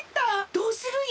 どうするよ？